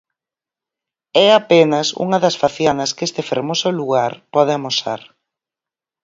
É apenas unha das facianas que este fermoso lugar pode amosar.